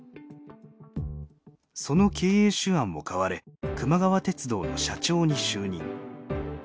その経営手腕を買われくま川鉄道の社長に就任。